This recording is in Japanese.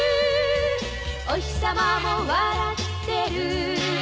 「おひさまも笑ってる」